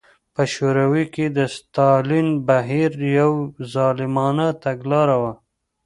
په شوروي کې د ستالین بهیر یوه ظالمانه تګلاره وه.